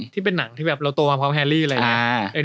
ที่เป็นหนังที่เราโตมาพร้อมแฮลลี่อะไรอย่างนี้